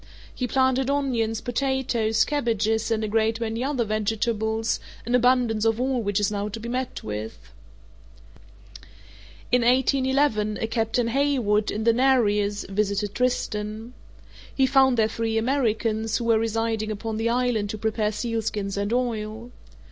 He planted onions, potatoes, cabbages, and a great many other vegetables, an abundance of all which is now to be met with. In 1811, a Captain Haywood, in the Nereus, visited Tristan. He found there three Americans, who were residing upon the island to prepare sealskins and oil.